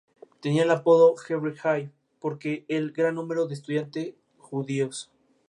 Tenía el apodo "Hebrew High" porque el gran número de estudiantes judíos.